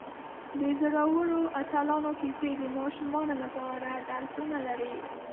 د زړورو اتلانو کیسې د ماشومانو لپاره درسونه لري.